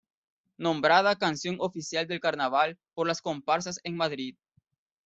Nombrada Canción Oficial del Carnaval por las Comparsas en Madrid.